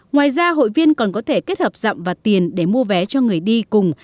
ngoài ra hội viên còn có thể kết hợp dặm và tiền để mua vé cho người đi cùng